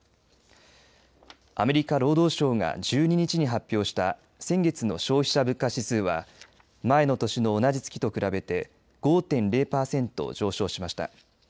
アメリカ労働省が１２日に発表した先月の消費者物価指数は前の年の同じ月と比べて５．０パーセント上昇しました。